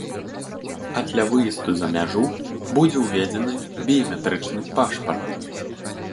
А для выезду за мяжу будзе ўведзены біяметрычны пашпарт.